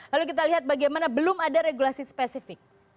lalu kita lihat bagaimana belum ada regulasi spesifik